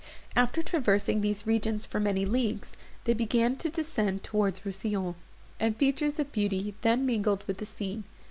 After traversing these regions for many leagues, they began to descend towards Rousillon, and features of beauty then mingled with the scene.